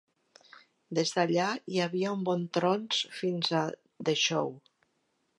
Des d'allà, hi havia un bon trons fins a "The Show".